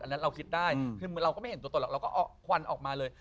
อันนั้นเราคิดได้คือเราก็ไม่เห็นตัวแล้วก็ควันออกมาเลย